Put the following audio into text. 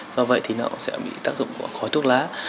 do vậy thì nó sẽ bị tác dụng của khói thuốc lá